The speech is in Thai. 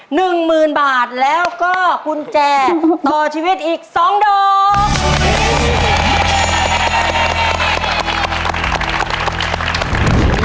หนึ่งหมื่นบาทแล้วก็กุญแจต่อชีวิตอีกสองดอก